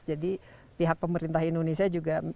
jadi pihak pemerintah indonesia juga bisa